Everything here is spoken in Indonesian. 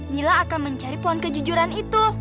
mila akan mencari pohon kejujuran itu